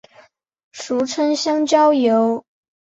俗称香蕉油。